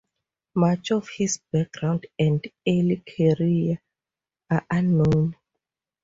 Much of his background and early career are unknown.